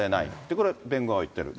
これは弁護側は言ってると。